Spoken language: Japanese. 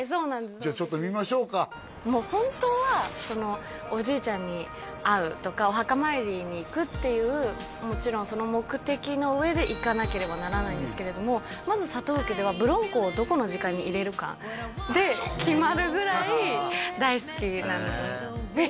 じゃあちょっと見ましょうか本当はおじいちゃんに会うとかお墓参りに行くっていうもちろんその目的の上で行かなければならないんですけれどもまず佐藤家ではＢＲＯＮＣＯをどこの時間に入れるかで決まるぐらい大好きなんですよねえっ